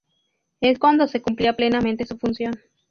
Es cuando se cumplía plenamente su función.